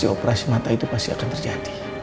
operasi mata itu pasti akan terjadi